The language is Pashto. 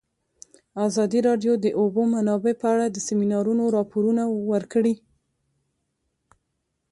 ازادي راډیو د د اوبو منابع په اړه د سیمینارونو راپورونه ورکړي.